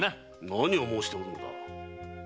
何を申しておるのだ？